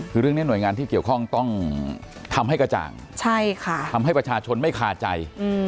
คือเรื่องนี้หน่วยงานที่เกี่ยวข้องต้องทำให้กระจ่างทำให้ประชาชนไม่คาใจ